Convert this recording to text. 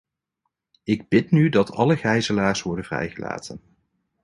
Ik bid nu dat alle gijzelaars worden vrijgelaten.